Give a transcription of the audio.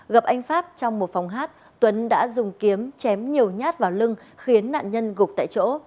gặp anh pháp trong một phòng hát tuấn đã dùng kiếm chém nhiều nhát vào lưng khiến nạn nhân gục tại chỗ